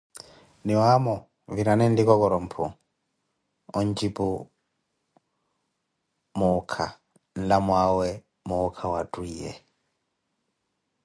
Niwaamo virani nlikokoroh mphu, onjipuh muukha, nlamwaawe muukha wa twiiye.